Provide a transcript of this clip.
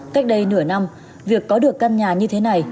cách đây nửa năm việc có được căn nhà như thế này